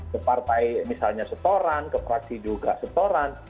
ke partai misalnya setoran ke praksi juga setoran